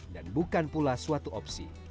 dan bukan pula suatu opsi